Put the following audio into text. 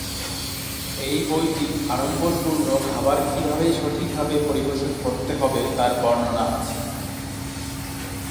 এই বইটি আড়ম্বরপূর্ণ খাবার কিভাবে সঠিকভাবে পরিবেশন করতে হবে তার বর্ণনা আছে।